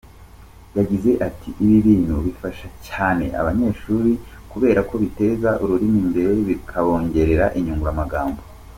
Yagize ati “Ibi bintu bifasha cyane abanyeshuri kubera ko biteza ururimi imbere, bikabongerera inyunguramagambo.